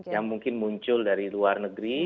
yang mungkin muncul dari luar negeri